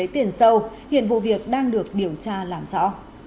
tiền sâu hiện vụ việc đang được điều tra làm rõ